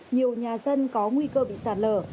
nhiều nhà dân có nguy cơ bị sạt lở